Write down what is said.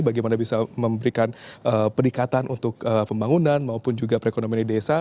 bagaimana bisa memberikan peningkatan untuk pembangunan maupun juga perekonomian di desa